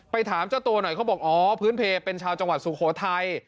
ถามเจ้าตัวหน่อยเขาบอกอ๋อพื้นเพลเป็นชาวจังหวัดสุโขทัย